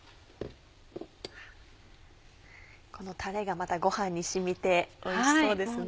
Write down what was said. このタレがまたご飯に染みておいしそうですね。